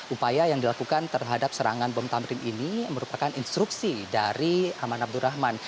upaya yang dilakukan terhadap serangan bom tamrin ini merupakan instruksi dari aman abdurrahman